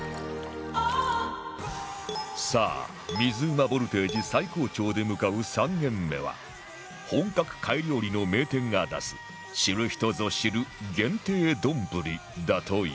さあ水うまボルテージ最高潮で向かう３軒目は本格貝料理の名店が出す知る人ぞ知る限定丼だという